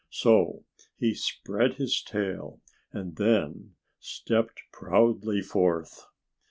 So he spread his tail and then stepped proudly forth.